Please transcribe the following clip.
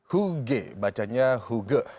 huge bacanya huge